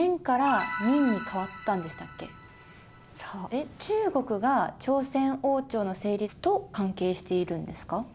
えっ中国が朝鮮王朝の成立と関係しているんですか。